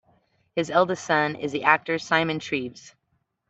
His eldest son is the actor Simon Treves.